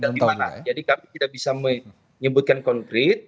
bagaimana jadi kami tidak bisa menyebutkan konkret